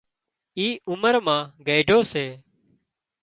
اي عمر مان گئيڍو سي